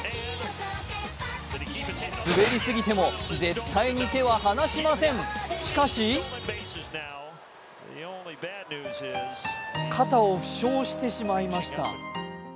滑りすぎても絶対に手は離しません、しかし肩を負傷してしまいました。